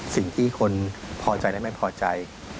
สิ่งที่คนพอใจและไม่พอใจ